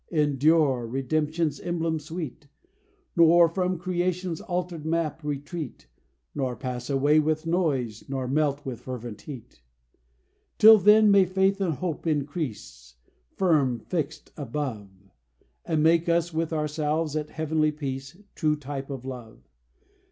Endure Redemption's emblem sweet, Nor from Creation's altered map retreat, Nor pass away with noise, nor melt with fervent heat. Till then, may faith and hope increase, Firm, fixed above; And make us with ourselves at heavenly peace True type of love!